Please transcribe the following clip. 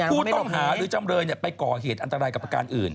ผู้ต้องหาหรือจำเลยไปก่อเหตุอันตรายกับประการอื่น